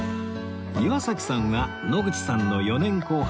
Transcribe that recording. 岩崎さんは野口さんの４年後輩